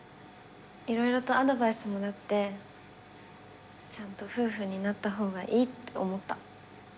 いろいろとアドバイスもらってちゃんと夫婦になったほうがいいって思った。